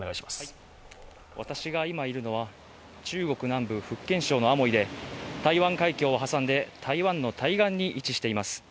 私が今いるのは中国南部、福建省のアモイで台湾海峡を挟んで台湾の対岸に位置しています。